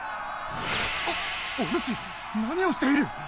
おおぬし何をしている！？